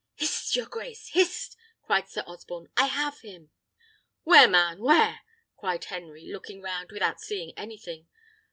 "Hist, your grace! hist!" cried Sir Osborne: "I have him!" "Where, man? where?" cried Henry, looking round without seeing anything.